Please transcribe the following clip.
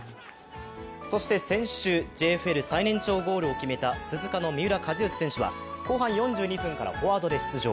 先週、ＪＦＬ最年長ゴールを決めた鈴鹿の三浦知良選手は後半４２分からフォワードで出場。